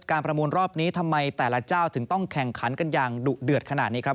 ประมูลรอบนี้ทำไมแต่ละเจ้าถึงต้องแข่งขันกันอย่างดุเดือดขนาดนี้ครับ